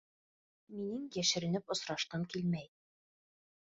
Минең йәшеренеп осрашҡым килмәй.